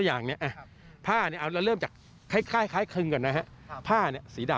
วางมายากลมันสามารถทำได้ไหม